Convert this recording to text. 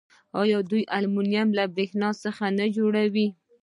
آیا دوی المونیم له بریښنا څخه نه جوړوي؟